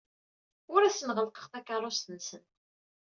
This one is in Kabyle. Ur asen-ɣellqeɣ takeṛṛust-nsen.